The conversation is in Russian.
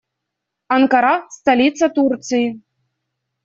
Анкара - столица Турции.